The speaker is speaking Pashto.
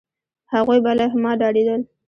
هغوی به له ما ډارېدل،